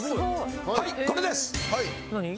はいこれです。